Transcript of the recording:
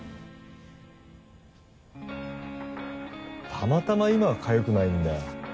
たまたま今はかゆくないんだよ。